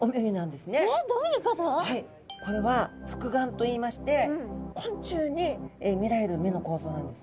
これは複眼といいまして昆虫に見られる目の構造なんですね。